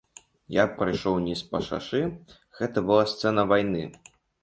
Я прайшоў уніз па шашы, гэта была сцэна вайны.